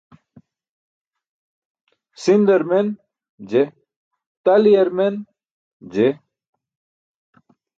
Sindar men? Je, taliyar men? Je.